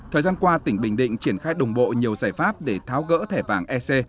thời gian qua tỉnh bình định triển khai đồng bộ nhiều giải pháp để tháo gỡ thẻ vàng ec